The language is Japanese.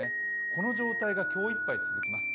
この状態が今日いっぱい続きます。